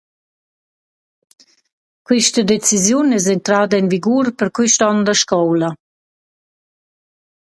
Quista decisiun es entrada in vigur per quist on da scoula.